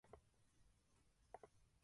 おおおいいいいいい